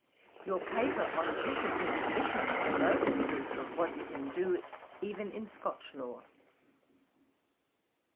Your paper on Vicious Intromission is a noble proof of what you can do even in Scotch law.